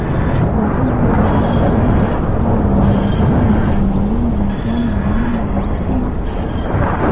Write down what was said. يا أيها النبي جاهد الكفار والمنافقين واغلظ عليهم ومأواهم جهنم وبئس المصير